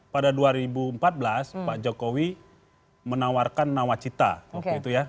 pada dua ribu empat belas pak jokowi menawarkan nawacita